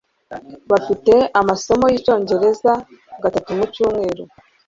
bafite amasomo yicyongereza gatatu mu cyumweru